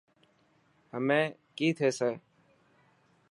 همي ڪئي ٿيسي.